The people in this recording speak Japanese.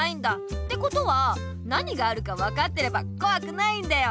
ってことはなにがあるかわかってればこわくないんだよ。